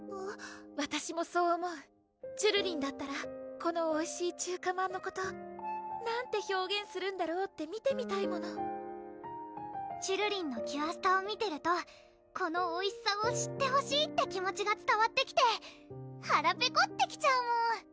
わたしもそう思うちゅるりんだったらこのおいしい中華まんのこと何て表現するんだろうって見てみたいものちゅるりんのキュアスタを見てるとこのおいしさを知ってほしいって気持ちがつたわってきてはらペコってきちゃうもん！